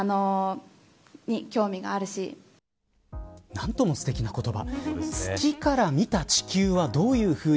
何ともすてきな言葉。